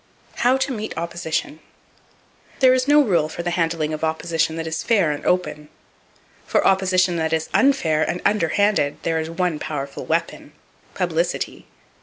How To Meet Opposition. —There is no rule for the handling of opposition [Page 264] that is fair and open. For opposition that is unfair and under handed, there is one powerful weapon,—Publicity.